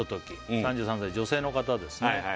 ３３歳女性の方ですね